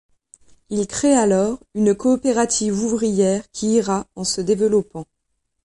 Il crée alors une coopérative ouvrière qui ira en se développant.